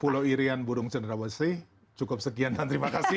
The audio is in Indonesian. pulau irian burung cendrawasi cukup sekian dan terima kasih